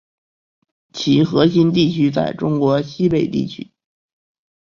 其核心地区在中国西北地区。